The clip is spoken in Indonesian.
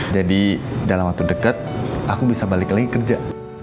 jadi dalam waktu dekat aku bisa balik lagi kerja